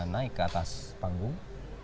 naik ke atas panggung